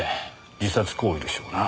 自殺行為でしょうな。